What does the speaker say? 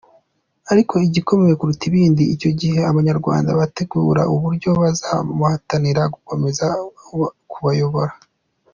Ariko igikomeye kuruta ibindi, icyo gihe abanyarwanda bateguraga uburyo bazamuhatira gukomeza kubayobora.